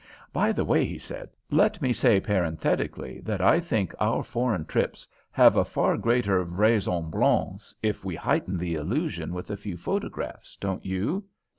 "By the way," he said, "let me say parenthetically that I think our foreign trips will have a far greater vraisemblance if we heighten the illusion with a few photographs, don't you?